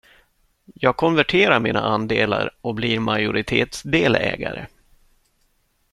Jag konverterar mina andelar och blir majoritetsdelägare.